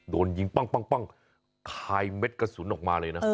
โดนยิงปั้งคายเม็ดกระสุนออกมาเลยนะ